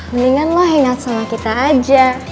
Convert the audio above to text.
mendingan lo hangout sama kita aja